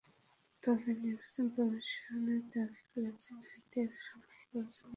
তবে নির্বাচন কমিশন দাবি করেছে, নারীদের অসম্মান করার জন্য এসব প্রতীক রাখা হয়নি।